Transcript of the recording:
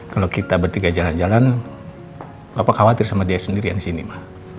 kalau kita bertiga jalan jalan bapak khawatir sama dia sendirian di sini mah